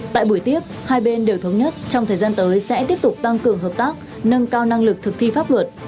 tại buổi tiếp hai bên đều thống nhất trong thời gian tới sẽ tiếp tục tăng cường hợp tác nâng cao năng lực thực thi pháp luật